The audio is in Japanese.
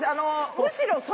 むしろ。